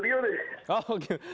ini udah sampai studio nih